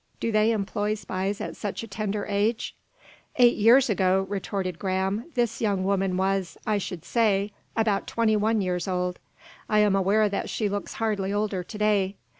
Do they employ, spies at such a tender age?" "Eight years ago," retorted Graham, "this young woman was, I should say, about twenty one years old. I am aware that she looks hardly older to day.